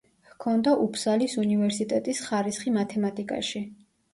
ჰქონდა უფსალის უნივერსიტეტის ხარისხი მათემატიკაში.